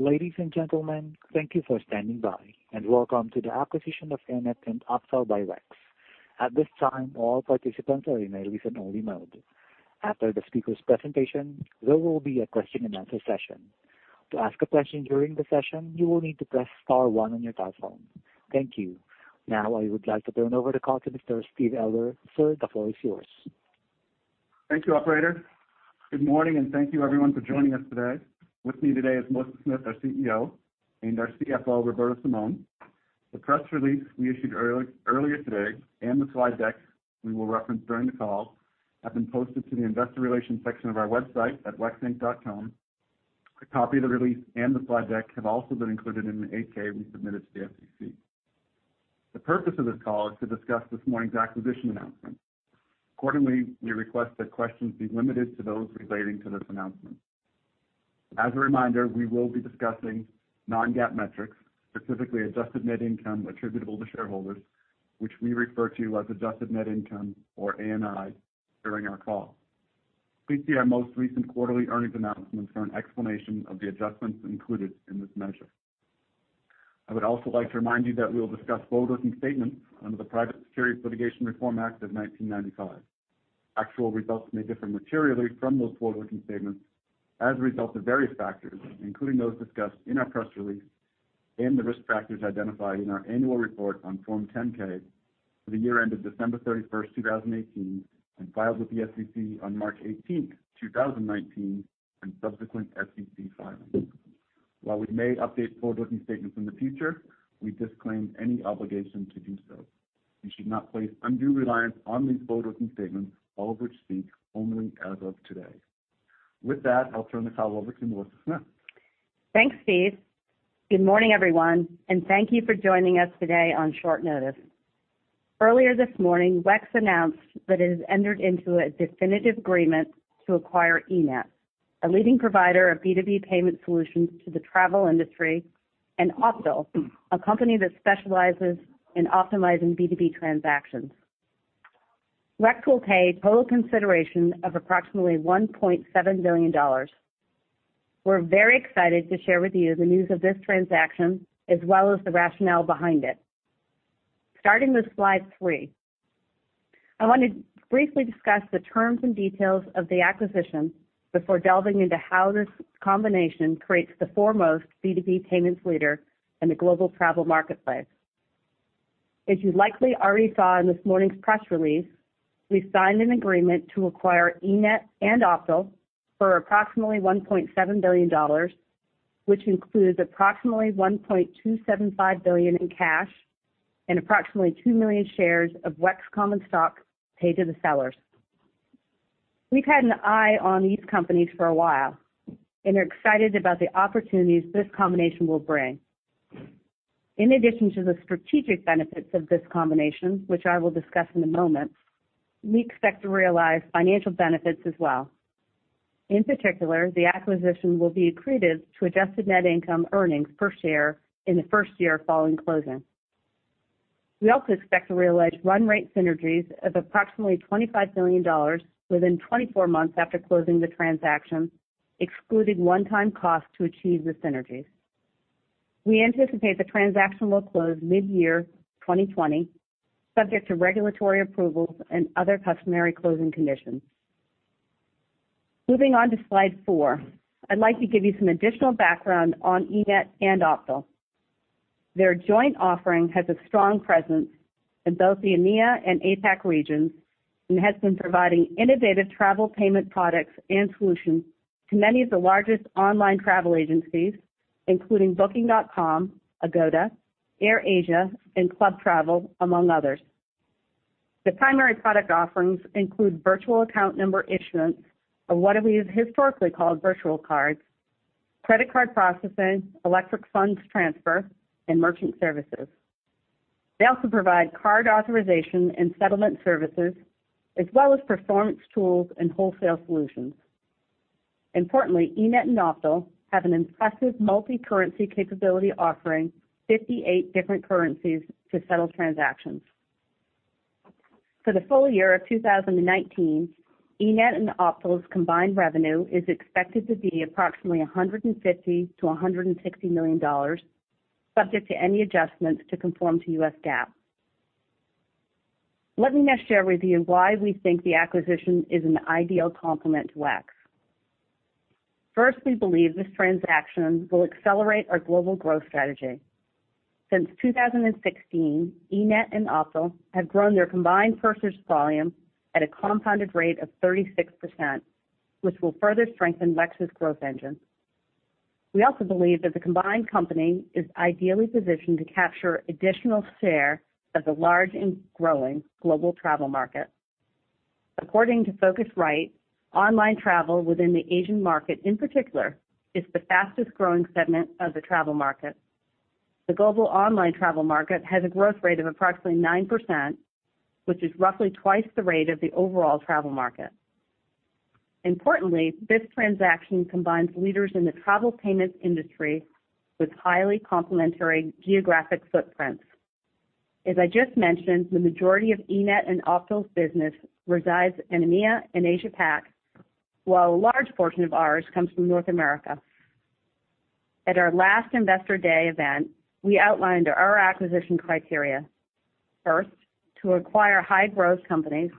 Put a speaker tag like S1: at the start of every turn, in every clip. S1: Ladies and gentlemen, thank you for standing by, and welcome to the acquisition of eNett and Optal by WEX. At this time, all participants are in listen-only mode. After the speaker's presentation, there will be a question and answer session. To ask a question during the session, you will need to press star one on your telephone. Thank you. Now I would like to turn over the call to Mr. Steve Elder. Sir, the floor is yours.
S2: Thank you, operator. Good morning, and thank you everyone for joining us today. With me today is Melissa Smith, our CEO, and our CFO, Roberto Simon. The press release we issued earlier today and the slide deck we will reference during the call have been posted to the investor relations section of our website at wexinc.com. A copy of the release and the slide deck have also been included in the 8-K we submitted to the SEC. The purpose of this call is to discuss this morning's acquisition announcement. Accordingly, we request that questions be limited to those relating to this announcement. As a reminder, we will be discussing non-GAAP metrics, specifically Adjusted Net Income attributable to shareholders, which we refer to as Adjusted Net Income or ANI during our call. Please see our most recent quarterly earnings announcement for an explanation of the adjustments included in this measure. I would also like to remind you that we will discuss forward-looking statements under the Private Securities Litigation Reform Act of 1995. Actual results may differ materially from those forward-looking statements as a result of various factors, including those discussed in our press release and the risk factors identified in our annual report on Form 10-K for the year ended 31 December 2018, and filed with the SEC on 18 March 2019, and subsequent SEC filings. While we may update forward-looking statements in the future, we disclaim any obligation to do so. You should not place undue reliance on these forward-looking statements, all of which speak only as of today. With that, I'll turn the call over to Melissa Smith.
S3: Thanks, Steve. Good morning, everyone, and thank you for joining us today on short notice. Earlier this morning, WEX announced that it has entered into a definitive agreement to acquire eNett, a leading provider of B2B payment solutions to the travel industry, and Optal, a company that specializes in optimizing B2B transactions. WEX will pay total consideration of approximately $1.7 billion. We're very excited to share with you the news of this transaction as well as the rationale behind it. Starting with slide three. I want to briefly discuss the terms and details of the acquisition before delving into how this combination creates the foremost B2B payments leader in the global travel marketplace. As you likely already saw in this morning's press release, we signed an agreement to acquire eNett and Optal for approximately $1.7 billion, which includes approximately $1.275 billion in cash and approximately two million shares of WEX common stock paid to the sellers. We've had an eye on these companies for a while and are excited about the opportunities this combination will bring. In addition to the strategic benefits of this combination, which I will discuss in a moment, we expect to realize financial benefits as well. In particular, the acquisition will be accretive to Adjusted Net Income earnings per share in the first year following closing. We also expect to realize run rate synergies of approximately $25 million within 24 months after closing the transaction, excluding one-time costs to achieve the synergies. We anticipate the transaction will close mid-year 2020, subject to regulatory approvals and other customary closing conditions. Moving on to slide four. I'd like to give you some additional background on eNett and Optal. Their joint offering has a strong presence in both the EMEA and APAC regions and has been providing innovative travel payment products and solutions to many of the largest online travel agencies, including Booking.com, Agoda, AirAsia, and Club Travel, among others. The primary product offerings include virtual account number issuance of what we have historically called virtual cards, credit card processing, Electronic Funds Transfer, and merchant services. They also provide card authorization and settlement services as well as performance tools and wholesale solutions. Importantly, eNett and Optal have an impressive multi-currency capability offering 58 different currencies to settle transactions. For the full year of 2019, eNett and Optal's combined revenue is expected to be approximately $150 million-$160 million, subject to any adjustments to conform to US GAAP. Let me now share with you why we think the acquisition is an ideal complement to WEX. First, we believe this transaction will accelerate our global growth strategy. Since 2016, eNett and Optal have grown their combined purchase volume at a compounded rate of 36%, which will further strengthen WEX's growth engine. We also believe that the combined company is ideally positioned to capture additional share of the large and growing global travel market. According to Phocuswright, online travel within the Asian market in particular is the fastest-growing segment of the travel market. The global online travel market has a growth rate of approximately 9%, which is roughly twice the rate of the overall travel market. Importantly, this transaction combines leaders in the travel payments industry with highly complementary geographic footprints. As I just mentioned, the majority of eNett and Optal's business resides in EMEA and Asia-Pac, while a large portion of ours comes from North America. At our last Investor Day event, we outlined our acquisition criteria. First, to acquire high-growth companies.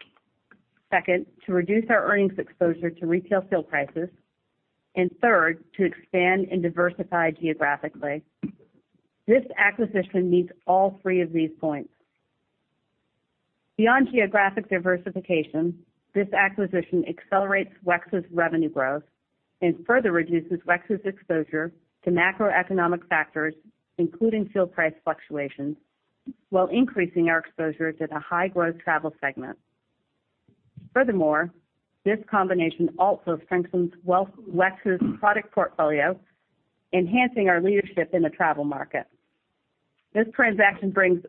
S3: Second, to reduce our earnings exposure to retail fuel prices. Third, to expand and diversify geographically. This acquisition meets all three of these points. Beyond geographic diversification, this acquisition accelerates WEX's revenue growth and further reduces WEX's exposure to macroeconomic factors, including fuel price fluctuations, while increasing our exposures at a high-growth travel segment. This combination also strengthens WEX's product portfolio, enhancing our leadership in the travel market. This transaction brings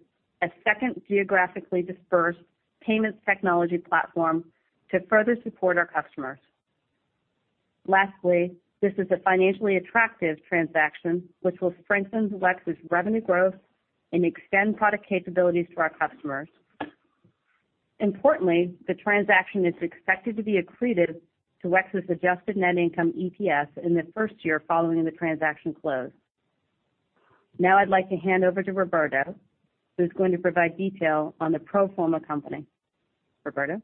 S3: a second geographically dispersed payments technology platform to further support our customers. Lastly, this is a financially attractive transaction which will strengthen WEX's revenue growth and extend product capabilities to our customers. Importantly, the transaction is expected to be accretive to WEX's Adjusted Net Income EPS in the first year following the transaction close. Now I'd like to hand over to Roberto, who's going to provide detail on the pro forma company. Roberto?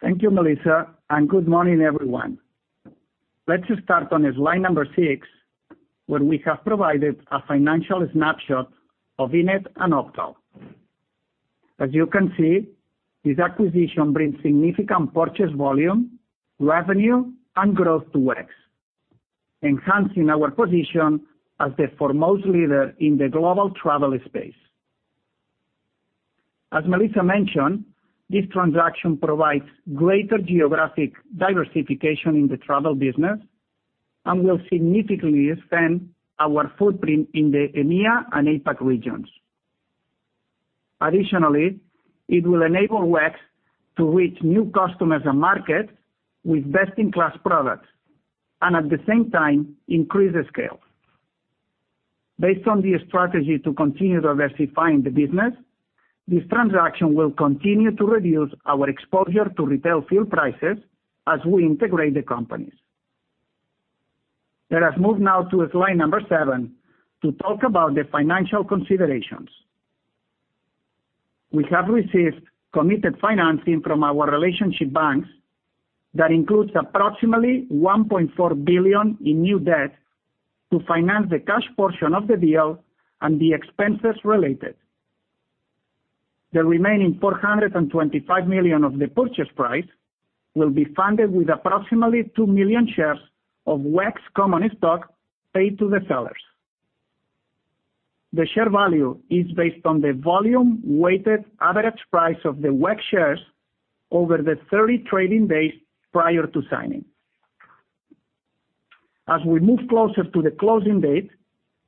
S4: Thank you, Melissa. Good morning, everyone. Let's just start on slide number six, where we have provided a financial snapshot of eNett and Optal. As you can see, this acquisition brings significant purchase volume, revenue, and growth to WEX, enhancing our position as the foremost leader in the global travel space. As Melissa mentioned, this transaction provides greater geographic diversification in the travel business and will significantly expand our footprint in the EMEA and APAC regions. Additionally, it will enable WEX to reach new customers and markets with best-in-class products, and at the same time, increase the scale. Based on the strategy to continue diversifying the business, this transaction will continue to reduce our exposure to retail fuel prices as we integrate the companies. Let us move now to slide number seven to talk about the financial considerations. We have received committed financing from our relationship banks that includes approximately $1.4 billion in new debt to finance the cash portion of the deal and the expenses related. The remaining $425 million of the purchase price will be funded with approximately two million shares of WEX common stock paid to the sellers. The share value is based on the volume-weighted average price of the WEX shares over the 30 trading days prior to signing. As we move closer to the closing date,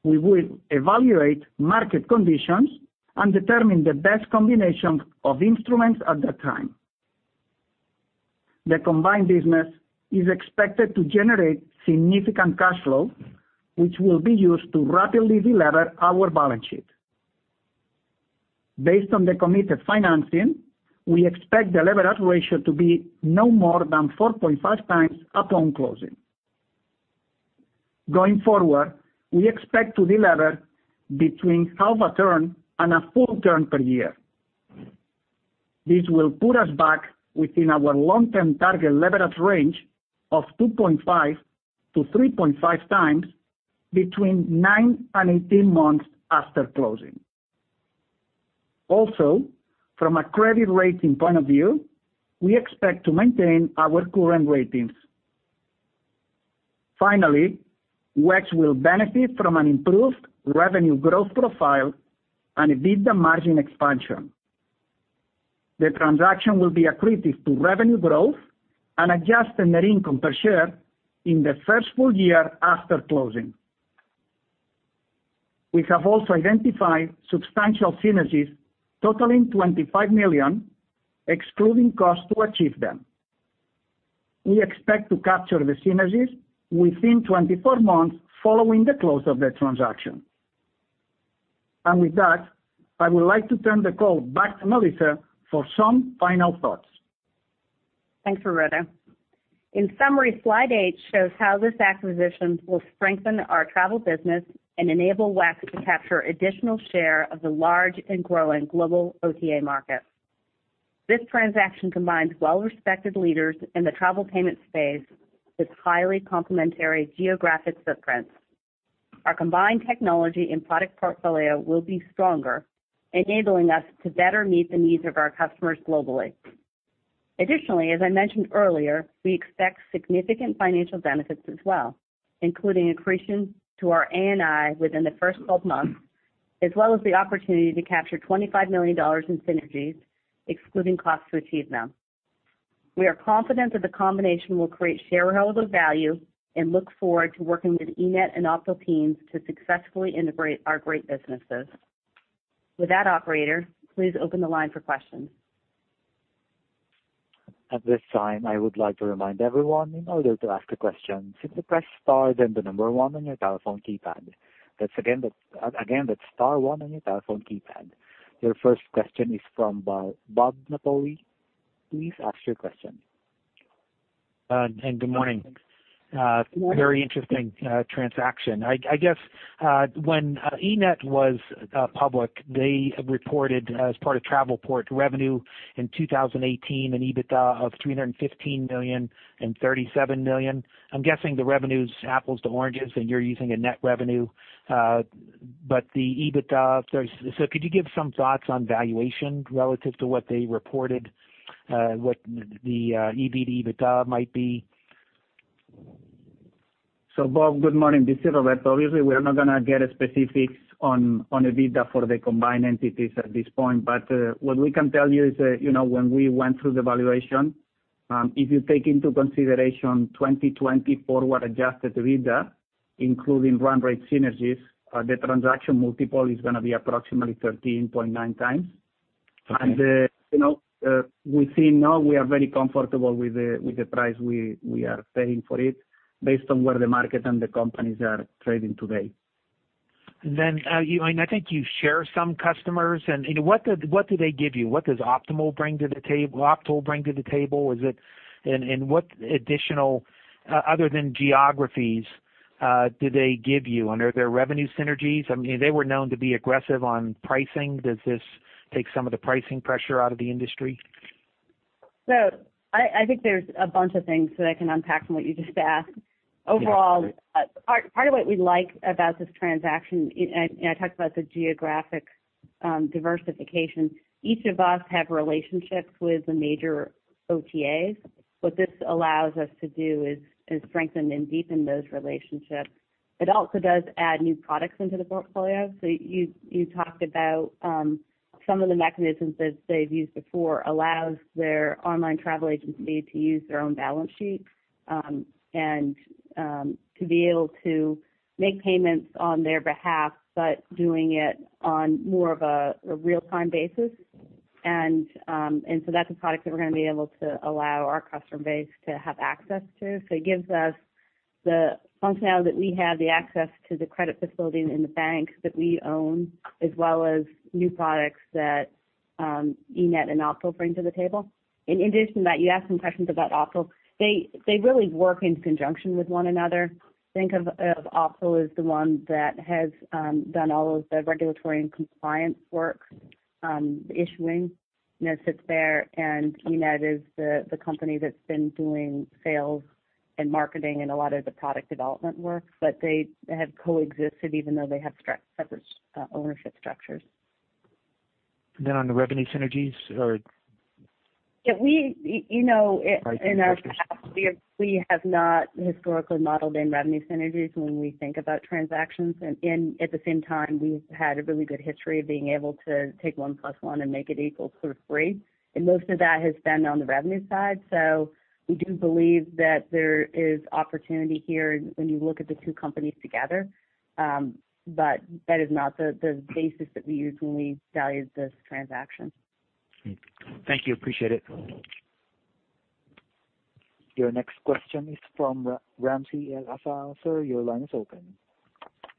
S4: we will evaluate market conditions and determine the best combination of instruments at that time. The combined business is expected to generate significant cash flow, which will be used to rapidly deliver our balance sheet. Based on the committed financing, we expect the leverage ratio to be no more than 4.5 times upon closing. Going forward, we expect to deliver between half a turn and a full turn per year. This will put us back within our long-term target leverage range of 2.5 to 3.5 times between nine and 18 months after closing. Also, from a credit rating point of view, we expect to maintain our current ratings. Finally, WEX will benefit from an improved revenue growth profile and EBITDA margin expansion. The transaction will be accretive to revenue growth and Adjusted Net Income per share in the first full year after closing. We have also identified substantial synergies totaling $25 million, excluding costs to achieve them. We expect to capture the synergies within 24 months following the close of the transaction. With that, I would like to turn the call back to Melissa for some final thoughts.
S3: Thanks, Roberto. In summary, slide eight shows how this acquisition will strengthen our travel business and enable WEX to capture additional share of the large and growing global OTA market. This transaction combines well-respected leaders in the travel payment space with highly complementary geographic footprints. Our combined technology and product portfolio will be stronger, enabling us to better meet the needs of our customers globally. Additionally, as I mentioned earlier, we expect significant financial benefits as well, including accretion to our ANI within the first 12 months, as well as the opportunity to capture $25 million in synergies, excluding costs to achieve them. We are confident that the combination will create shareholder value and look forward to working with eNett and Optal teams to successfully integrate our great businesses. With that, operator, please open the line for questions.
S1: At this time, I would like to remind everyone, in order to ask a question, simply press star then the number 1 on your telephone keypad. Again, that's star 1 on your telephone keypad. Your first question is from Bob Napoli. Please ask your question.
S5: Good morning. Very interesting transaction. I guess when eNett was public, they reported as part of Travelport revenue in 2018, an EBITDA of $315 million and $37 million. I'm guessing the revenue's apples to oranges and you're using a net revenue. The EBITDA, could you give some thoughts on valuation relative to what they reported, what the EBITDA might be?
S4: Bob, good morning. This is Roberto. Obviously, we are not going to get specifics on EBITDA for the combined entities at this point. What we can tell you is, when we went through the valuation, if you take into consideration 2020 forward adjusted EBITDA, including run rate synergies, the transaction multiple is going to be approximately 13.9 times. We see now we are very comfortable with the price we are paying for it based on where the market and the companies are trading today.
S5: I think you share some customers and what do they give you? What does Optal bring to the table? What additional, other than geographies, do they give you? Are there revenue synergies? They were known to be aggressive on pricing. Does this take some of the pricing pressure out of the industry?
S3: I think there's a bunch of things that I can unpack from what you just asked.
S5: Yeah, great.
S3: Overall, part of what we like about this transaction, and I talked about the geographic diversification. Each of us have relationships with the major OTAs. What this allows us to do is strengthen and deepen those relationships. It also does add new products into the portfolio. You talked about some of the mechanisms that they've used before allows their online travel agency to use their own balance sheet, and to be able to make payments on their behalf, but doing it on more of a real-time basis. That's a product that we're going to be able to allow our customer base to have access to. It gives us the functionality that we have, the access to the credit facility and the banks that we own, as well as new products that eNett and Optal bring to the table. In addition to that, you asked some questions about Optal. They really work in conjunction with one another. Think of Optal as the one that has done all of the regulatory and compliance work, the issuing, and it sits there. eNett is the company that's been doing sales and marketing and a lot of the product development work. They have coexisted even though they have separate ownership structures.
S5: On the revenue synergies.
S3: Yeah. We have not historically modeled in revenue synergies when we think about transactions. At the same time, we've had a really good history of being able to take one plus one and make it equal sort of three. Most of that has been on the revenue side. We do believe that there is opportunity here when you look at the two companies together. That is not the basis that we used when we valued this transaction.
S5: Thank you. Appreciate it.
S1: Your next question is from Ramsey El-Assal. Sir, your line is open.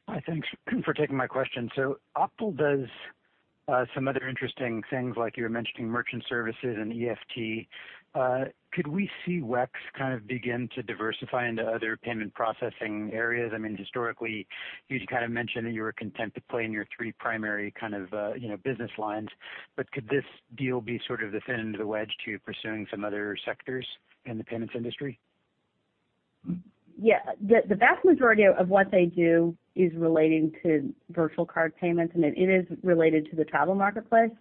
S6: Hi, thanks for taking my question. Optal does some other interesting things like you were mentioning merchant services and EFT. Could we see WEX kind of begin to diversify into other payment processing areas? Historically, you'd kind of mentioned that you were content to play in your three primary business lines, but could this deal be sort of the thin end of the wedge to pursuing some other sectors in the payments industry?
S3: Yeah. The vast majority of what they do is relating to virtual card payments, and it is related to the travel marketplace.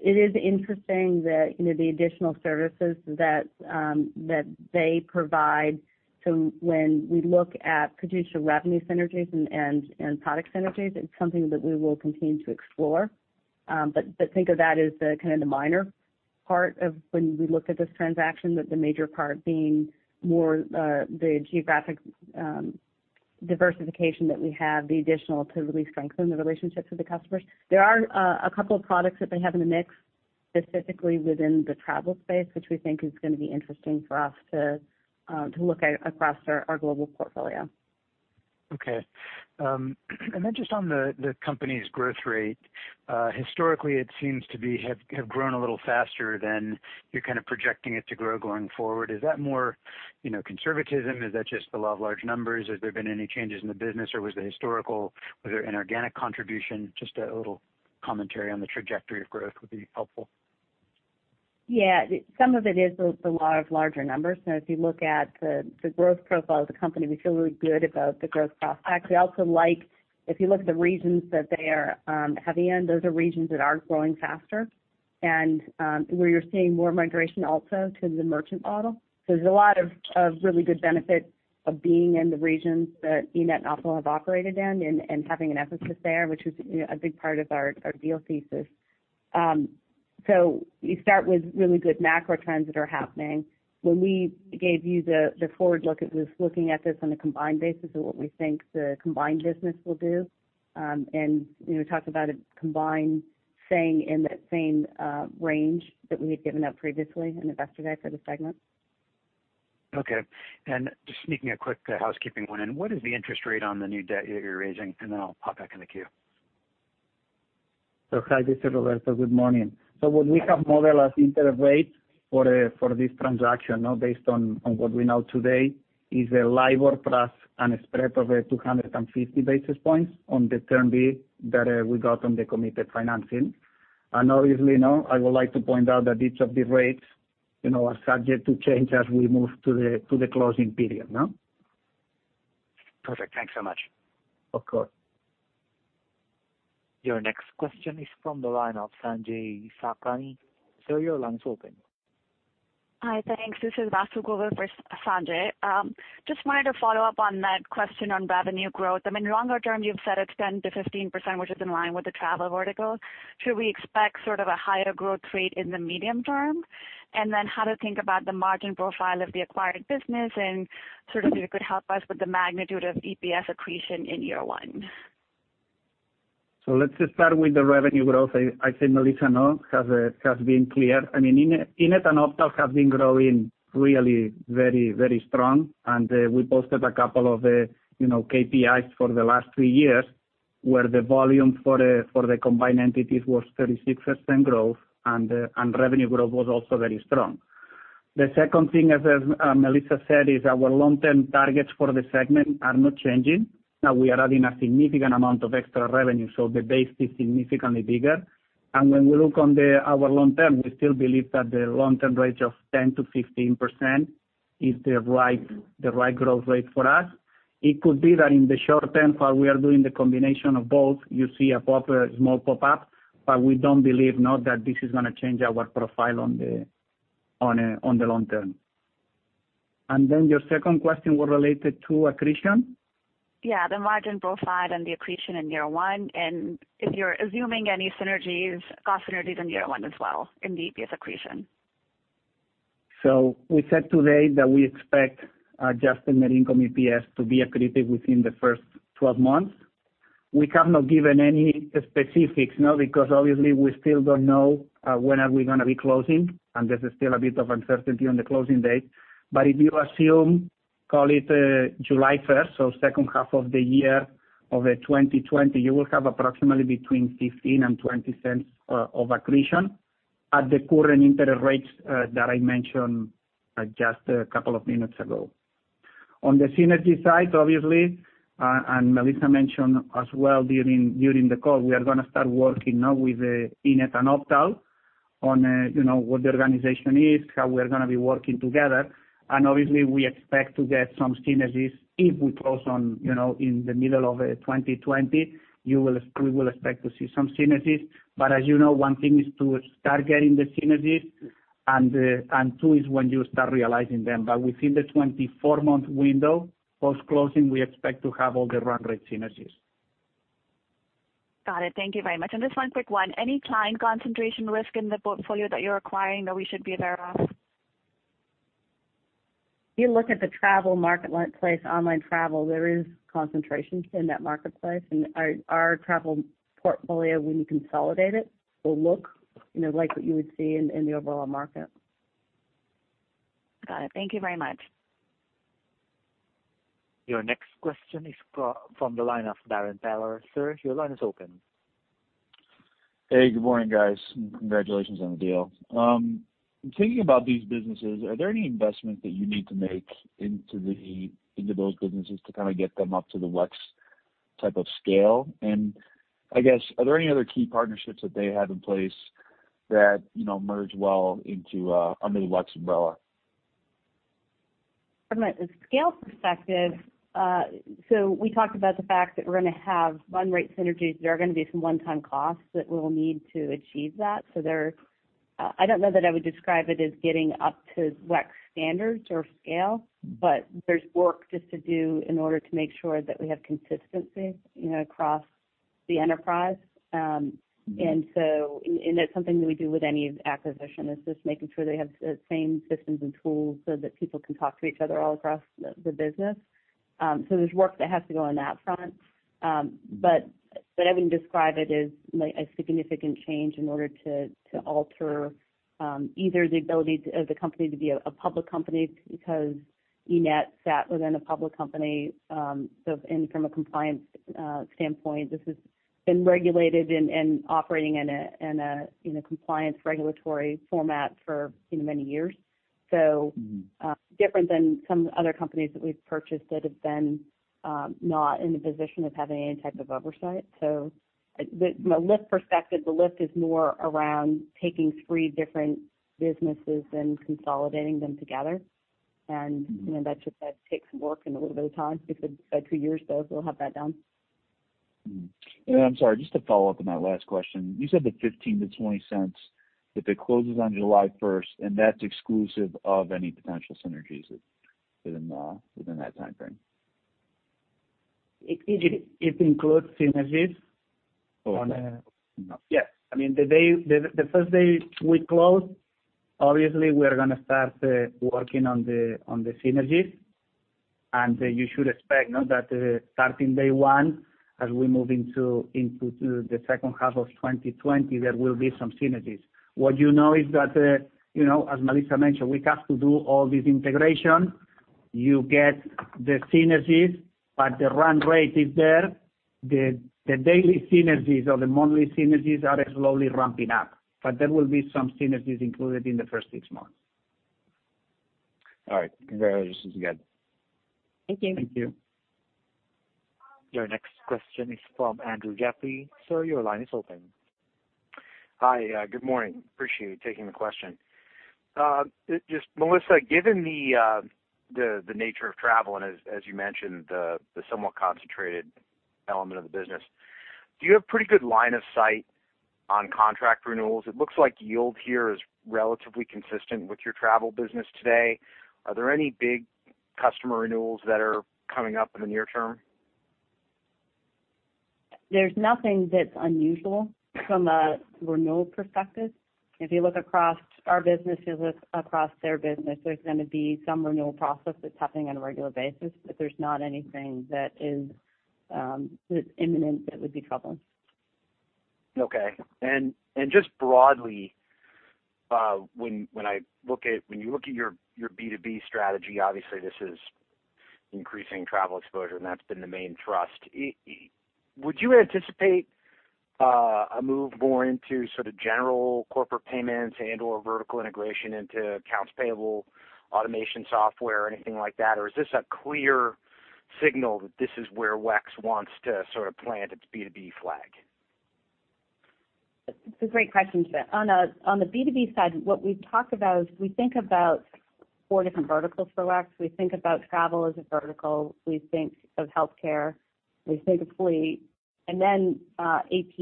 S3: It is interesting that the additional services that they provide. When we look at potential revenue synergies and product synergies, it's something that we will continue to explore. Think of that as the kind of the minor part of when we look at this transaction, with the major part being more the geographic diversification that we have, the additional to really strengthen the relationships with the customers. There are a couple of products that they have in the mix, specifically within the travel space, which we think is going to be interesting for us to look at across our global portfolio.
S6: Okay. Just on the company's growth rate. Historically, it seems to have grown a little faster than you're kind of projecting it to grow going forward. Is that more conservatism? Is that just the law of large numbers? Has there been any changes in the business, or was it historical? Was there an organic contribution? Just a little commentary on the trajectory of growth would be helpful.
S3: Some of it is the law of larger numbers. If you look at the growth profile of the company, we feel really good about the growth profile. I actually also like, if you look at the regions that they are heavy in, those are regions that are growing faster and where you're seeing more migration also to the merchant model. There's a lot of really good benefits of being in the regions that eNett and Optal have operated in and having an emphasis there, which was a big part of our deal thesis. You start with really good macro trends that are happening. When we gave you the forward look, it was looking at this on a combined basis of what we think the combined business will do. We talked about a combined staying in that same range that we had given out previously in Investor Day for the segment.
S6: Okay. Just sneaking a quick housekeeping one in, what is the interest rate on the new debt you're raising? Then I'll pop back in the queue.
S4: Hi, this is Roberto. Good morning. What we have modeled as interest rate for this transaction, based on what we know today, is a LIBOR plus and a spread of 250 basis points on the Term B that we got on the committed financing. Obviously, now, I would like to point out that each of the rates are subject to change as we move to the closing period.
S6: Perfect. Thanks so much.
S4: Of course.
S1: Your next question is from the line of Sanjay Sakhrani. Sir, your line is open.
S7: Hi. Thanks. This is Vasu Govil for Sanjay. Just wanted to follow up on that question on revenue growth. In longer term, you've said it's 10%-15%, which is in line with the travel vertical. Should we expect sort of a higher growth rate in the medium term? How to think about the margin profile of the acquired business and sort of if you could help us with the magnitude of EPS accretion in year one.
S4: Let's just start with the revenue growth. I think Melissa has been clear. eNett and Optal have been growing really very strong. We posted a couple of KPIs for the last three years, where the volume for the combined entities was 36% growth, and revenue growth was also very strong. The second thing, as Melissa said, is our long-term targets for the segment are not changing. We are adding a significant amount of extra revenue, so the base is significantly bigger. When we look on our long term, we still believe that the long-term range of 10%-15% is the right growth rate for us. It could be that in the short term, while we are doing the combination of both, you see a small pop-up. We don't believe now that this is going to change our profile on the long term. Your second question was related to accretion?
S7: Yeah, the margin profile and the accretion in year one, and if you're assuming any synergies, cost synergies in year one as well in the EPS accretion.
S4: We said today that we expect Adjusted Net Income EPS to be accretive within the first 12 months. We have not given any specifics, because obviously we still don't know when are we going to be closing, and there is still a bit of uncertainty on the closing date. If you assume, call it 1 July, so H2 of 2020, you will have approximately between $0.15 and $0.20 of accretion at the current interest rates that I mentioned just a couple of minutes ago. On the synergy side, obviously, and Melissa mentioned as well during the call, we are going to start working now with eNett and Optal on what the organization is, how we are going to be working together. Obviously, we expect to get some synergies if we close in the middle of 2020. We will expect to see some synergies. As you know, one thing is to start getting the synergies, and two is when you start realizing them. Within the 24-month window post-closing, we expect to have all the run rate synergies.
S7: Got it. Thank you very much. Just one quick one. Any client concentration risk in the portfolio that you're acquiring that we should be aware of?
S3: If you look at the travel marketplace, online travel, there is concentration in that marketplace. Our travel portfolio, when you consolidate it, will look like what you would see in the overall market.
S7: Got it. Thank you very much.
S1: Your next question is from the line of Darrin Peller. Sir, your line is open.
S8: Hey, good morning, guys. Congratulations on the deal. In thinking about these businesses, are there any investments that you need to make into those businesses to kind of get them up to the WEX type of scale? I guess, are there any other key partnerships that they have in place that merge well under the WEX umbrella?
S3: From a scale perspective, we talked about the fact that we're going to have run rate synergies. There are going to be some one-time costs that we'll need to achieve that. I don't know that I would describe it as getting up to WEX standards or scale, there's work just to do in order to make sure that we have consistency across the enterprise. That's something that we do with any acquisition. It's just making sure they have the same systems and tools so that people can talk to each other all across the business. There's work that has to go on that front. I wouldn't describe it as a significant change in order to alter either the ability of the company to be a public company, because eNett sat within a public company. From a compliance standpoint, this has been regulated and operating in a compliance regulatory format for many years. Different than some other companies that we've purchased that have been not in the position of having any type of oversight. From a lift perspective, the lift is more around taking three different businesses and consolidating them together. That just takes work and a little bit of time. By two years, though, we'll have that done.
S8: I'm sorry, just to follow up on that last question. You said that $0.15-$0.20 if it closes on 1 July, and that's exclusive of any potential synergies within that time frame?
S4: It includes synergies. Yes. The first day we close, obviously we are going to start working on the synergies. You should expect, that starting day one, as we move into the H2 of 2020, there will be some synergies. What you know is that, as Melissa mentioned, we have to do all this integration. You get the synergies, but the run rate is there. The daily synergies or the monthly synergies are slowly ramping up. There will be some synergies included in the first six months.
S8: All right. Congratulations again.
S3: Thank you.
S4: Thank you.
S1: Your next question is from Andrew Jeffrey. Sir, your line is open.
S9: Hi. Good morning. Appreciate you taking the question. Just, Melissa, given the nature of travel, and as you mentioned, the somewhat concentrated element of the business, do you have pretty good line of sight on contract renewals? It looks like yield here is relatively consistent with your travel business today. Are there any big customer renewals that are coming up in the near term?
S3: There's nothing that's unusual from a renewal perspective. If you look across our business, if you look across their business, there's going to be some renewal process that's happening on a regular basis. There's not anything that is imminent that would be troubling.
S9: Okay. Just broadly, when you look at your B2B strategy, obviously this is increasing travel exposure, and that's been the main thrust. Would you anticipate a move more into general corporate payments and/or vertical integration into accounts payable, automation software, or anything like that? Is this a clear signal that this is where WEX wants to plant its B2B flag?
S3: That's a great question. On the B2B side, what we've talked about is we think about four different verticals for WEX. We think about travel as a vertical. We think of healthcare. We think of fleet. Then AP,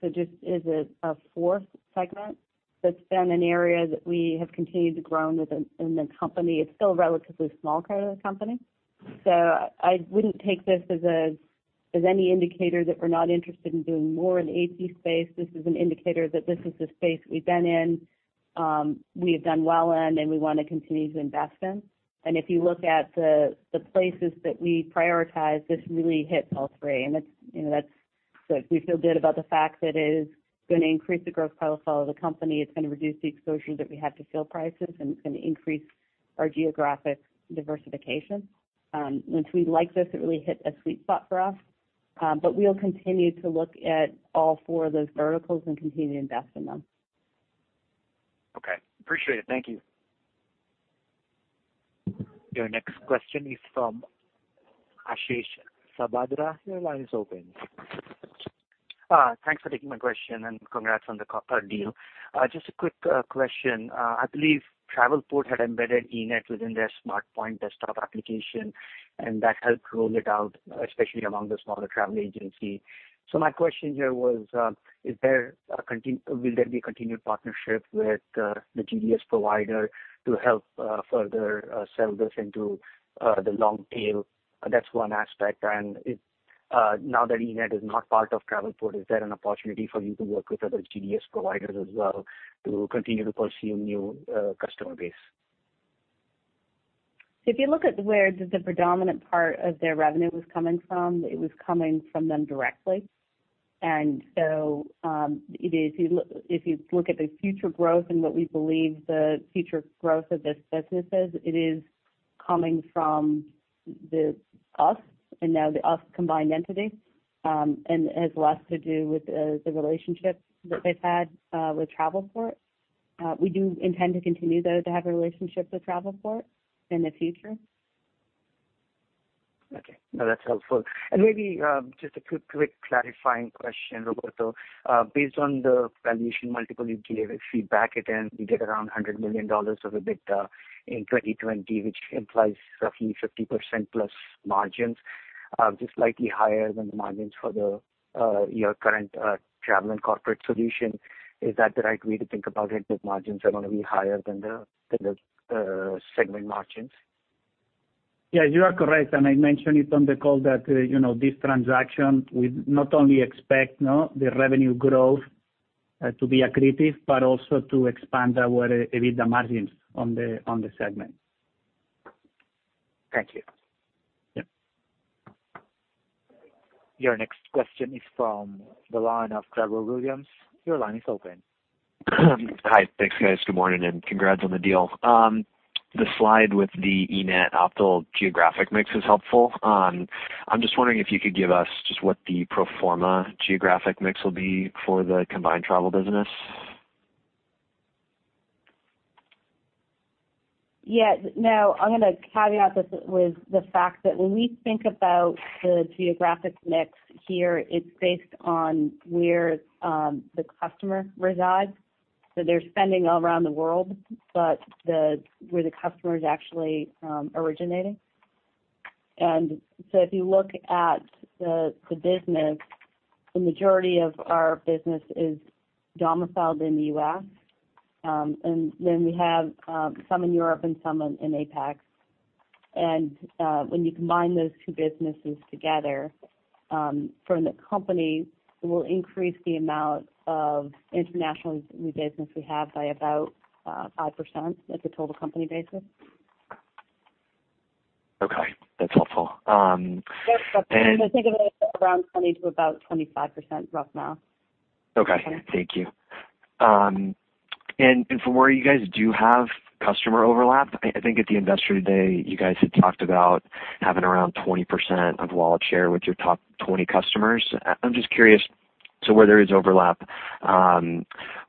S3: so just as a fourth segment, that's been an area that we have continued to grow in the company. It's still a relatively small part of the company. I wouldn't take this as any indicator that we're not interested in doing more in the AP space. This is an indicator that this is the space we've been in, we have done well in, and we want to continue to invest in. If you look at the places that we prioritize, this really hits all three. We feel good about the fact that it is going to increase the gross profit of the company. It's going to reduce the exposure that we have to fuel prices, it's going to increase our geographic diversification. Once we like this, it really hit a sweet spot for us. We'll continue to look at all four of those verticals and continue to invest in them.
S9: Okay. Appreciate it. Thank you.
S1: Your next question is from Ashish Sabadra. Your line is open.
S10: Thanks for taking my question, and congrats on the deal. Just a quick question. I believe Travelport had embedded eNett within their Smartpoint desktop application, and that helped roll it out, especially among the smaller travel agency. My question here was, will there be a continued partnership with the GDS provider to help further sell this into the long tail? That's one aspect. Now that eNett is not part of Travelport, is there an opportunity for you to work with other GDS providers as well to continue to pursue new customer base?
S3: If you look at where the predominant part of their revenue was coming from, it was coming from them directly. If you look at the future growth and what we believe the future growth of this business is, it is coming from us, and now the us combined entity, and has less to do with the relationship that they've had with Travelport. We do intend to continue, though, to have a relationship with Travelport in the future.
S10: Okay. No, that's helpful. Maybe just a quick clarifying question, Roberto. Based on the valuation multiple you gave, if you back it and you get around $100 million of EBITDA in 2020, which implies roughly 50%-plus margins, just slightly higher than the margins for your current travel and corporate solution. Is that the right way to think about it, that margins are going to be higher than the segment margins?
S4: Yeah, you are correct. I mentioned it on the call that this transaction, we not only expect the revenue growth to be accretive, but also to expand our EBITDA margins on the segment.
S10: Thank you.
S4: Yeah.
S1: Your next question is from the line of Trevor Williams. Your line is open.
S11: Hi. Thanks, guys. Good morning, and congrats on the deal. The slide with the eNett/Optal geographic mix is helpful. I'm just wondering if you could give us just what the pro forma geographic mix will be for the combined travel business.
S3: Yeah. Now, I'm going to caveat this with the fact that when we think about the geographic mix here, it's based on where the customer resides. They're spending all around the world, but where the customer is actually originating. If you look at the business, the majority of our business is domiciled in the U.S. We have some in Europe and some in APAC. When you combine those two businesses together, from the company, it will increase the amount of international new business we have by about 5% as a total company basis.
S11: Okay, that's helpful.
S3: Think of it as around 20%-25%, rough math.
S11: Okay. Thank you. From where you guys do have customer overlap, I think at the Investor Day, you guys had talked about having around 20% of wallet share with your top 20 customers. I'm just curious to where there is overlap,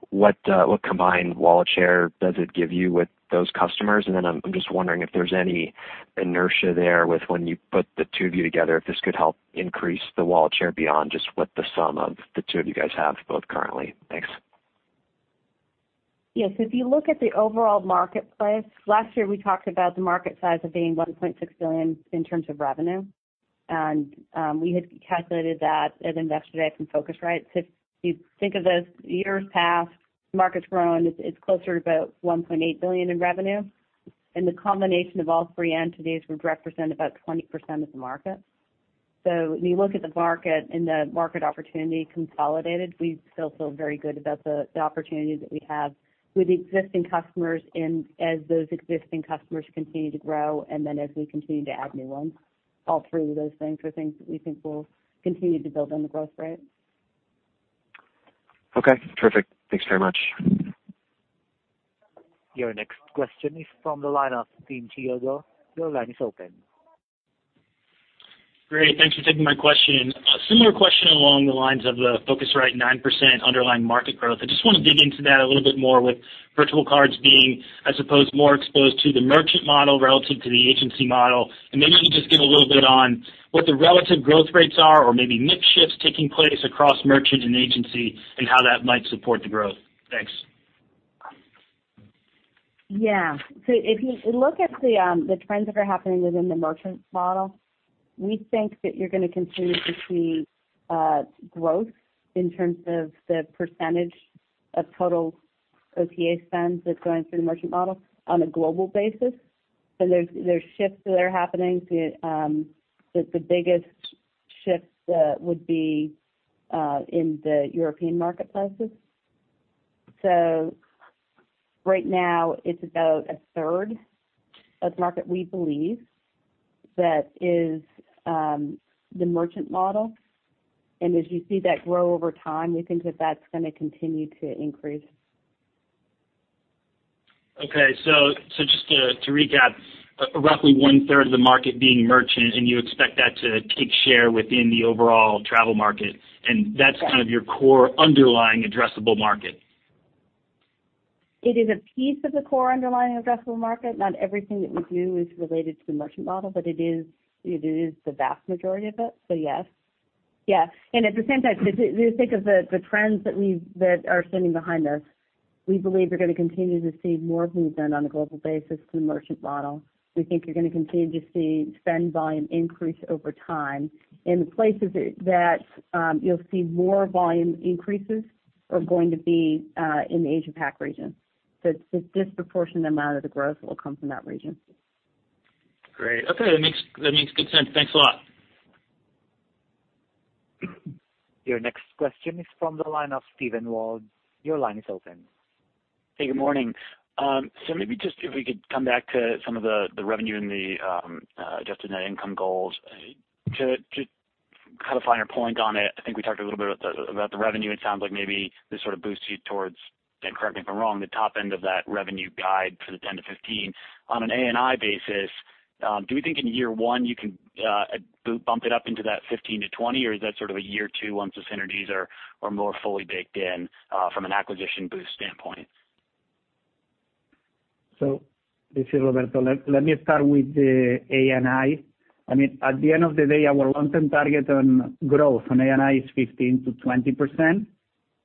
S11: what combined wallet share does it give you with those customers? I'm just wondering if there's any inertia there with when you put the two of you together, if this could help increase the wallet share beyond just what the sum of the two of you guys have both currently. Thanks.
S3: Yes. If you look at the overall marketplace, last year, we talked about the market size of being $1.6 billion in terms of revenue. We had calculated that at Investor Day from Phocuswright. If you think of those years past, market's grown, it's closer to about $1.8 billion in revenue. The combination of all three entities would represent about 20% of the market. When you look at the market and the market opportunity consolidated, we still feel very good about the opportunity that we have with existing customers and as those existing customers continue to grow, and then as we continue to add new ones. All three of those things are things that we think will continue to build on the growth rate.
S11: Okay, perfect. Thanks very much.
S1: Your next question is from the line of. [inaudible] Your line is open.
S12: Great. Thanks for taking my question. A similar question along the lines of the Phocuswright 9% underlying market growth. I just want to dig into that a little bit more with virtual cards being, I suppose, more exposed to the merchant model relative to the agency model. Maybe you can just give a little bit on what the relative growth rates are or maybe mix shifts taking place across merchant and agency and how that might support the growth. Thanks.
S3: If you look at the trends that are happening within the merchant model, we think that you're going to continue to see growth in terms of the percentage of total OTA spend that's going through the merchant model on a global basis. There's shifts that are happening. The biggest shift would be in the European marketplaces. Right now it's about a third of the market, we believe, that is the merchant model. As you see that grow over time, we think that that's going to continue to increase.
S12: Okay. Just to recap, roughly 1/3 of the market being merchant, you expect that to take share within the overall travel market. kind of your core underlying addressable market.
S3: It is a piece of the core underlying addressable market. Not everything that we do is related to the merchant model, but it is the vast majority of it. Yes. At the same time, if you think of the trends that are standing behind us, we believe you're going to continue to see more movement on a global basis in the merchant model. We think you're going to continue to see spend volume increase over time. The places that you'll see more volume increases are going to be in the Asia Pac region. A disproportionate amount of the growth will come from that region.
S12: Great. Okay, that makes good sense. Thanks a lot.
S1: Your next question is from the line of Steven Wald. Your line is open.
S13: Hey, good morning. Maybe just if we could come back to some of the revenue and the Adjusted Net Income goals. To kind of find your point on it, I think we talked a little bit about the revenue. It sounds like maybe this sort of boosts you towards, and correct me if I'm wrong, the top end of that revenue guide for the 10-15. On an ANI basis, do we think in year one you can bump it up into that 15 to 20, or is that sort of a year two once the synergies are more fully baked in from an acquisition boost standpoint?
S4: This is Roberto. Let me start with the ANI. At the end of the day, our long-term target on growth on ANI is 15%-20%.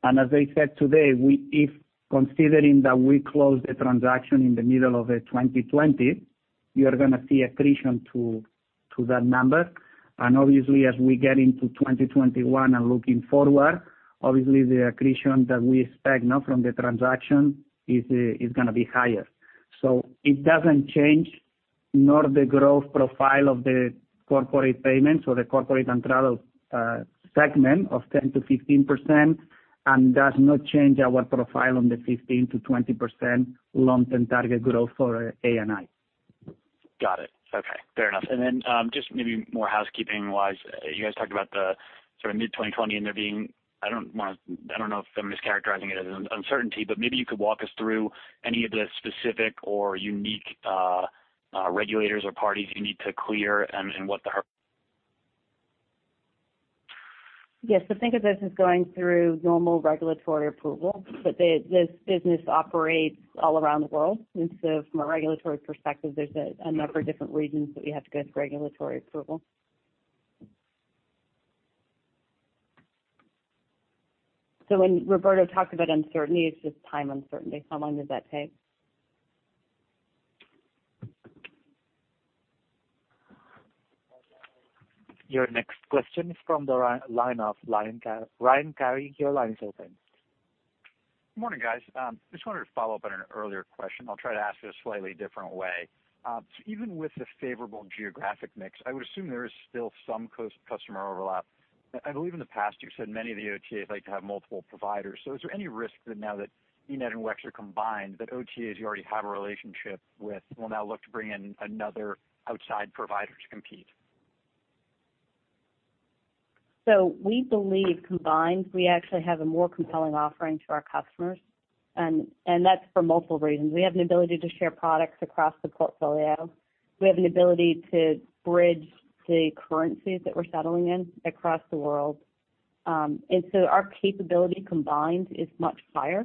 S4: As I said today, if considering that we close the transaction in the middle of 2020, you are going to see accretion to that number. Obviously, as we get into 2021 and looking forward, obviously the accretion that we expect now from the transaction is going to be higher. It doesn't change nor the growth profile of the corporate payments or the corporate and travel segment of 10%-15%, and does not change our profile on the 15%-20% long-term target growth for ANI.
S13: Got it. Okay, fair enough. Just maybe more housekeeping-wise, you guys talked about the mid-2020 and there being, I don't know if I'm mischaracterizing it as an uncertainty, but maybe you could walk us through any of the specific or unique regulators or parties you need to clear and what the.
S3: Yes. Think of this as going through normal regulatory approval. This business operates all around the world. From a regulatory perspective, there's a number of different regions that we have to go through regulatory approval. When Roberto talked about uncertainty, it's just time uncertainty. How long does that take?
S1: Your next question is from the line of Ryan Cary, your line is open.
S14: Good morning, guys. Just wanted to follow up on an earlier question. I'll try to ask it a slightly different way. Even with the favorable geographic mix, I would assume there is still some customer overlap. I believe in the past you said many of the OTAs like to have multiple providers. Is there any risk that now that eNett and WEX are combined, that OTAs you already have a relationship with will now look to bring in another outside provider to compete?
S3: We believe combined, we actually have a more compelling offering to our customers, and that's for multiple reasons. We have an ability to share products across the portfolio. We have an ability to bridge the currencies that we're settling in across the world. Our capability combined is much higher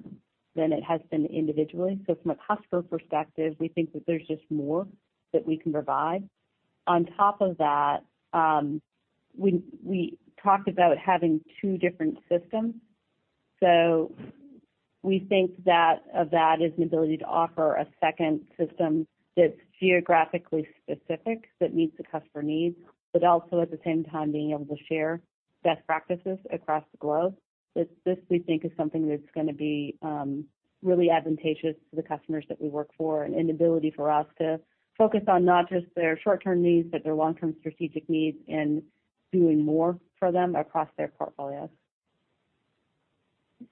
S3: than it has been individually. From a customer perspective, we think that there's just more that we can provide. On top of that, we talked about having two different systems. We think that of that is an ability to offer a second system that's geographically specific, that meets the customer needs, but also at the same time, being able to share best practices across the globe. This, we think, is something that's going to be really advantageous to the customers that we work for and an ability for us to focus on not just their short-term needs, but their long-term strategic needs and doing more for them across their portfolios.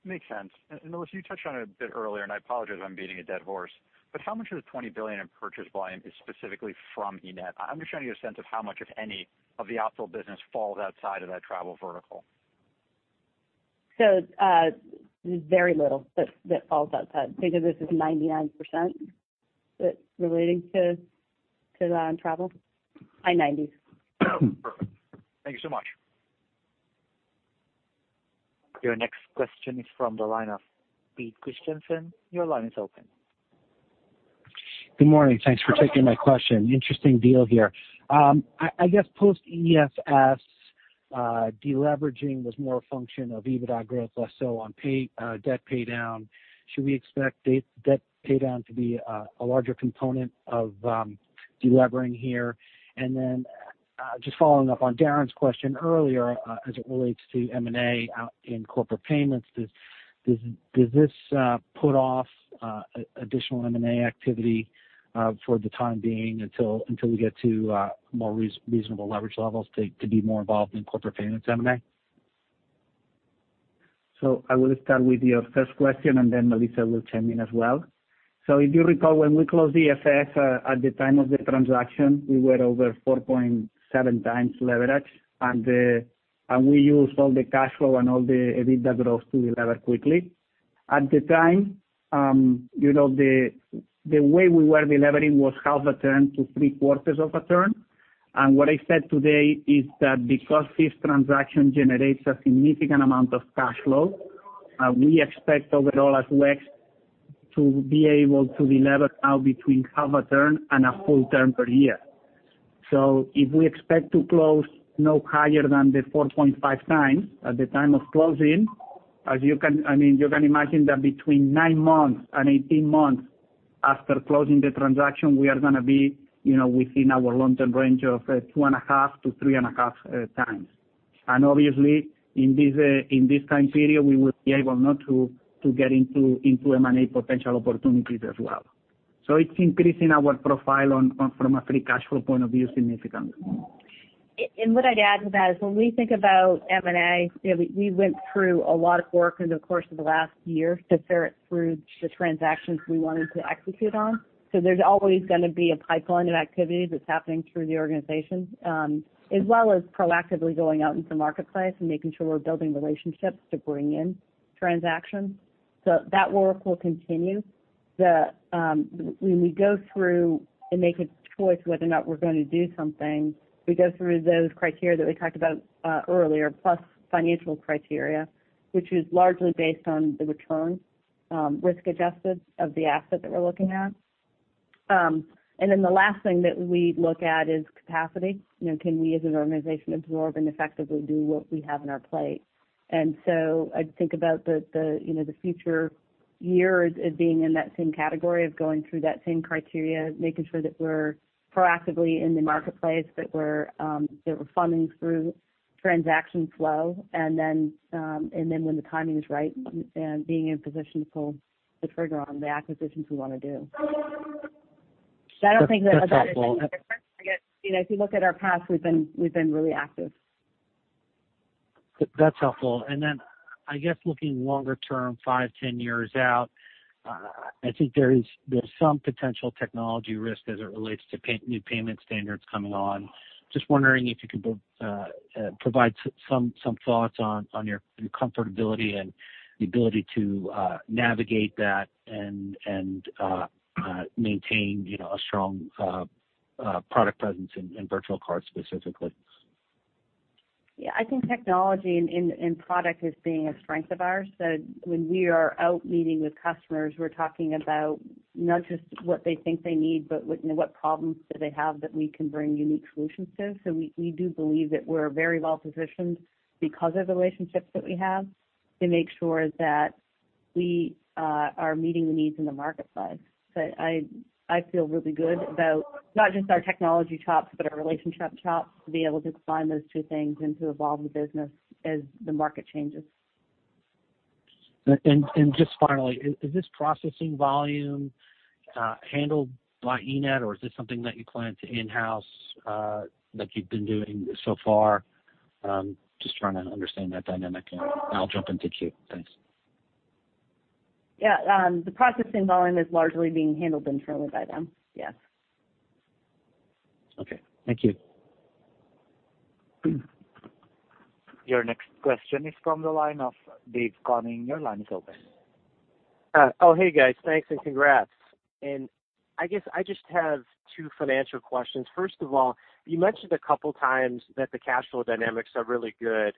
S14: Makes sense. Melissa, you touched on it a bit earlier, I apologize if I'm beating a dead horse, how much of the $20 billion in purchase volume is specifically from eNett? I'm just trying to get a sense of how much, if any, of the Optal business falls outside of that travel vertical.
S3: Very little that falls outside. Think of this as 99% that's relating to travel. High nineties.
S14: Perfect. Thank you so much.
S1: Your next question is from the line of Pete Christiansen. Your line is open.
S15: Good morning. Thanks for taking my question. Interesting deal here. I guess post EFS deliveraging was more a function of EBITDA growth, less so on debt paydown. Should we expect debt paydown to be a larger component of delivering here? Just following up on Darrin's question earlier as it relates to M&A out in corporate payments, does this put off additional M&A activity for the time being until we get to more reasonable leverage levels to be more involved in corporate payments M&A?
S4: I will start with your first question, and then Melissa will chime in as well. If you recall, when we closed EFS at the time of the transaction, we were over 4.7 times leverage, and we used all the cash flow and all the EBITDA growth to deliver quickly. At the time, the way we were delivering was half a turn to three-quarters of a turn. What I said today is that because this transaction generates a significant amount of cash flow, we expect overall as WEX to be able to deliver now between half a turn and a full turn per year. If we expect to close no higher than the 4.5 times at the time of closing, as you can imagine that between nine months and 18 months after closing the transaction, we are going to be within our long-term range of 2.5 to 3.5 times. Obviously in this time period, we will be able now to get into M&A potential opportunities as well. It's increasing our profile from a free cash flow point of view significantly.
S3: What I'd add to that is when we think about M&A, we went through a lot of work in the course of the last year to ferret through the transactions we wanted to execute on. There's always going to be a pipeline of activity that's happening through the organization, as well as proactively going out into the marketplace and making sure we're building relationships to bring in transactions. That work will continue. When we go through and make a choice whether or not we're going to do something, we go through those criteria that we talked about earlier, plus financial criteria, which is largely based on the return, risk-adjusted of the asset that we're looking at. The last thing that we look at is capacity. Can we as an organization absorb and effectively do what we have on our plate? I'd think about the future years as being in that same category of going through that same criteria, making sure that we're proactively in the marketplace, that we're funding through transaction flow, and then when the timing is right, being in position to pull the trigger on the acquisitions we want to do.
S15: That's helpful.
S3: I don't think that if you look at our past, we've been really active.
S15: That's helpful. Then I guess looking longer term, five, 10 years out, I think there's some potential technology risk as it relates to new payment standards coming on. Just wondering if you could provide some thoughts on your comfortability and the ability to navigate that and maintain a strong product presence in virtual cards specifically.
S3: Yeah, I think technology and product as being a strength of ours. When we are out meeting with customers, we're talking about not just what they think they need, but what problems do they have that we can bring unique solutions to. We do believe that we're very well-positioned because of the relationships that we have to make sure that we are meeting the needs in the market side. I feel really good about not just our technology chops, but our relationship chops, to be able to combine those two things and to evolve the business as the market changes.
S15: Just finally, is this processing volume handled by eNett, or is this something that you plan to in-house, like you've been doing so far? I'm just trying to understand that dynamic, and I'll jump into queue. Thanks.
S3: Yeah. The processing volume is largely being handled internally by them. Yes.
S15: Okay. Thank you.
S1: Your next question is from the line of Dave Koning. Your line is open.
S16: Oh, hey, guys. Thanks and congrats. I guess I just have two financial questions. First of all, you mentioned a couple times that the cash flow dynamics are really good.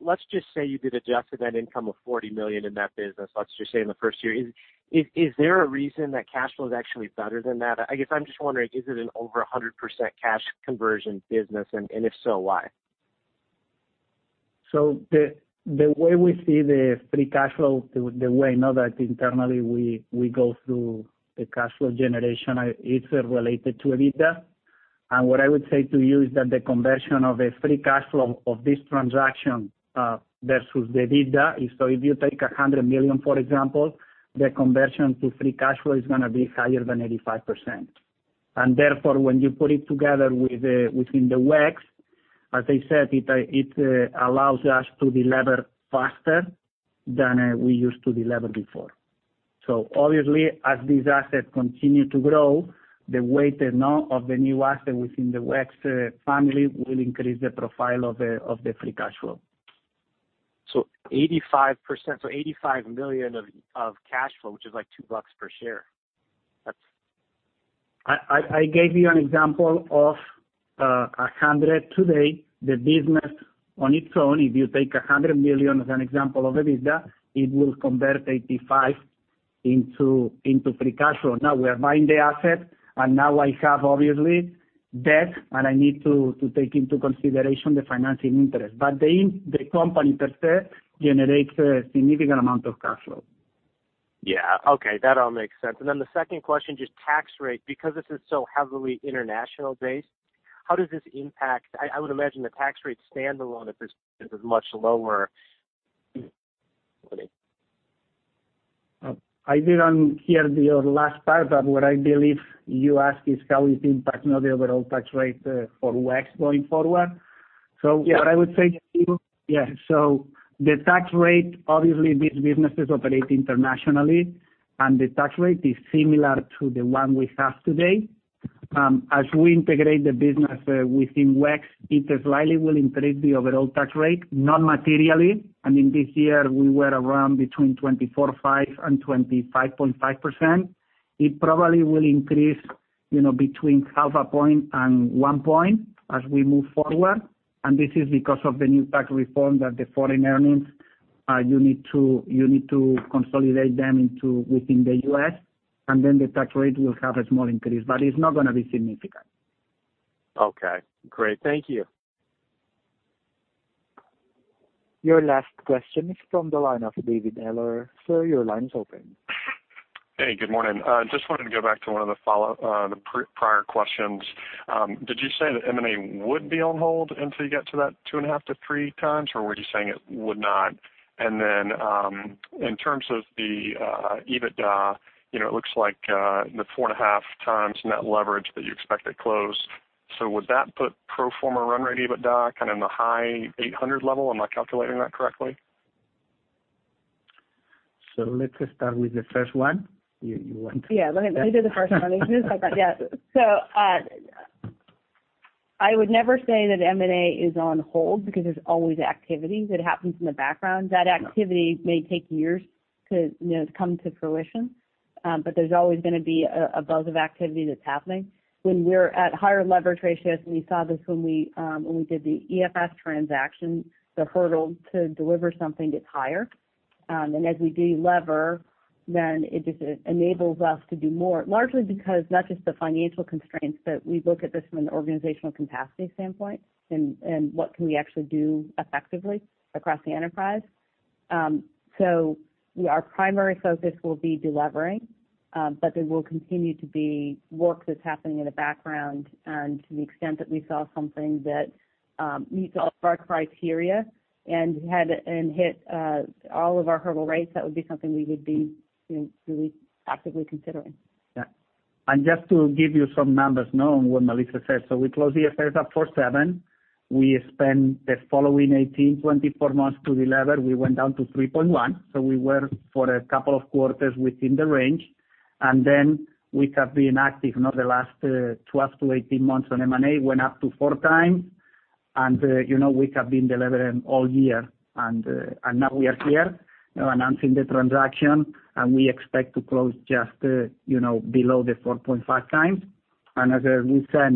S16: Let's just say you did adjust to that income of $40 million in that business, let's just say in the first year. Is there a reason that cash flow is actually better than that? I guess I'm just wondering, is it an over 100% cash conversion business, and if so, why?
S4: The way we see the free cash flow, the way now that internally we go through the cash flow generation, it's related to EBITDA. What I would say to you is that the conversion of a free cash flow of this transaction, versus the EBITDA is, if you take $100 million, for example, the conversion to free cash flow is going to be higher than 85%. When you put it together within the WEX, as I said, it allows us to deliver faster than we used to deliver before. Obviously, as these assets continue to grow, the weight now of the new asset within the WEX family will increase the profile of the free cash flow.
S16: 85%, so $85 million of cash flow, which is like $2 per share.
S4: I gave you an example of 100 today. The business on its own, if you take $100 million as an example of EBITDA, it will convert 85 into free cash flow. Now we are buying the asset, and now I have obviously, debt, and I need to take into consideration the financing interest. The company per se, generates a significant amount of cash flow.
S16: Yeah. Okay. That all makes sense. The second question, just tax rate, because this is so heavily international-based, how does this impact? I would imagine the tax rate standalone of this business is much lower.
S4: I didn't hear your last part, but what I believe you ask is how it impacts now the overall tax rate for WEX going forward.
S16: Yeah.
S4: What I would say to you, the tax rate, obviously these businesses operate internationally, and the tax rate is similar to the one we have today. As we integrate the business within WEX, it slightly will increase the overall tax rate, not materially. I mean, this year, we were around between 24.5% and 25.5%. It probably will increase between half a point and one point as we move forward. This is because of the new tax reform that the foreign earnings, you need to consolidate them into within the U.S., the tax rate will have a small increase. It's not going to be significant.
S16: Okay, great. Thank you.
S1: Your last question is from the line of David Eller. Sir, your line is open.
S17: Hey, good morning. Just wanted to go back to one of the prior questions. Did you say that M&A would be on hold until you get to that 2.5x-3x, or were you saying it would not? In terms of the EBITDA, it looks like the 4.5x net leverage that you expect at close. Would that put pro forma run rate EBITDA kind of in the high 800 level? Am I calculating that correctly?
S4: Let's start with the first one.
S3: Yeah, let me do the first one. I would never say that M&A is on hold because there's always activity that happens in the background. That activity may take years to come to fruition. There's always going to be a buzz of activity that's happening. When we're at higher levered ratios, and we saw this when we did the EFS transaction, the hurdle to deliver something gets higher. As we deliver, it just enables us to do more, largely because not just the financial constraints, but we look at this from an organizational capacity standpoint and what can we actually do effectively across the enterprise. Our primary focus will be delivering, but there will continue to be work that's happening in the background. To the extent that we saw something that meets all of our criteria and hit all of our hurdle rates, that would be something we would be really actively considering.
S4: Yeah. Just to give you some numbers now on what Melissa said. We closed EFS at 4.7x. We spent the following 18, 24 months to deliver. We went down to 3.1x. We were for a couple of quarters within the range. We have been active now the last 12 to 18 months on M&A, went up to 4x. We have been delivering all year, and now we are here announcing the transaction, and we expect to close just below the 4.5x. As we said,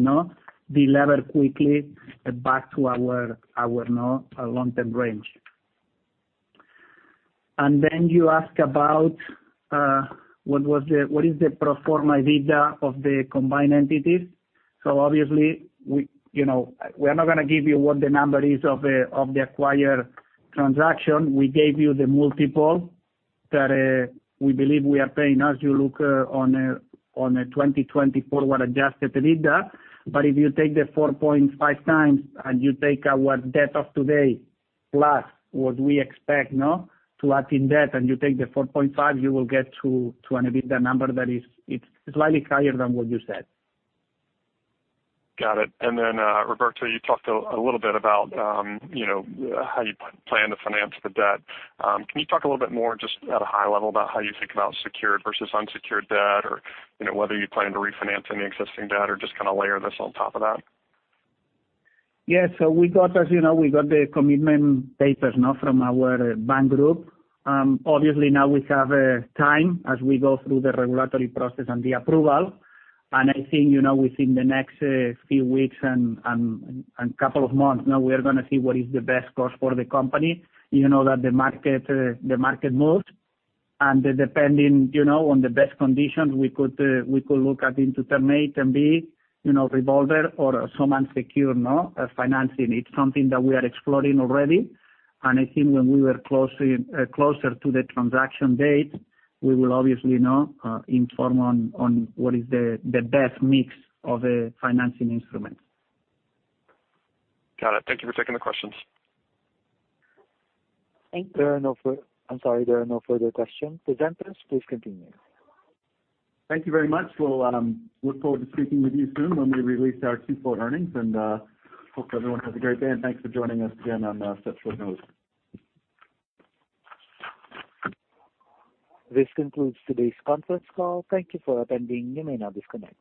S4: now, deliver quickly back to our long-term range. You ask about what is the pro forma EBITDA of the combined entities? Obviously, we are not going to give you what the number is of the acquired transaction. We gave you the multiple that we believe we are paying as you look on a 2024 Adjusted EBITDA. If you take the 4.5x and you take our debt of today, plus what we expect to add in debt, and you take the 4.5, you will get to an EBITDA number that is slightly higher than what you said.
S17: Got it. Roberto, you talked a little bit about how you plan to finance the debt. Can you talk a little bit more, just at a high level, about how you think about secured versus unsecured debt or whether you plan to refinance any existing debt or just kind of layer this on top of that?
S4: As you know, we got the commitment papers from our bank group. Obviously, now we have time as we go through the regulatory process and the approval. I think, within the next few weeks and couple of months, we are going to see what is the best course for the company. You know that the market moves, and depending on the best conditions, we could look at into Term Loan A, Term Loan B, revolver or some unsecured financing. It's something that we are exploring already. I think when we are closer to the transaction date, we will obviously inform on what is the best mix of financing instruments.
S17: Got it. Thank you for taking the questions.
S4: Thank you.
S1: I'm sorry. There are no further questions. Presenters, please continue.
S2: Thank you very much. We'll look forward to speaking with you soon when we release our Q4 earnings, and hope everyone has a great day, and thanks for joining us again on such short notice.
S1: This concludes today's conference call. Thank you for attending. You may now disconnect.